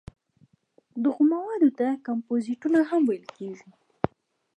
دغو موادو ته کمپوزېټونه هم ویل کېږي.